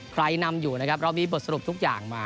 นำอยู่นะครับเรามีบทสรุปทุกอย่างมา